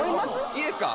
いいですか？